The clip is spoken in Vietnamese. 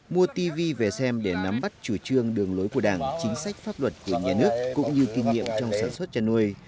mua tv về xem để nắm bắt chủ trương đường lối của đảng chính sách pháp luật của nhà nước cũng như kinh nghiệm trong sản xuất chăn nuôi